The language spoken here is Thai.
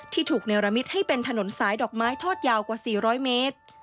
ถูกเนรมิตให้เป็นถนนสายดอกไม้ทอดยาวกว่า๔๐๐เมตร